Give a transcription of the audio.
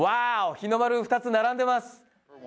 日の丸２つ並んでます！